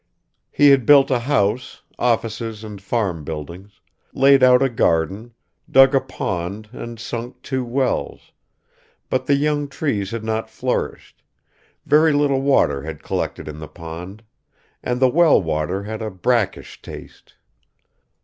He had built a house, offices and farm buildings, laid out a garden, dug a pond and sunk two wells; but the young trees had not flourished, very little water had collected in the pond, and the well water had a brackish taste.